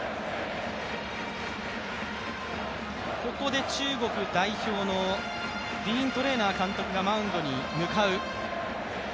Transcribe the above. ここで中国代表のディーン・トレーナー監督がマウンドに向かう。